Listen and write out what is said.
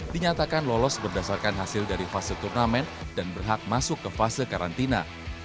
dinyatakan lolos berdasarkan hasil dari fase turnamen dan berhak masuk ke fase karantina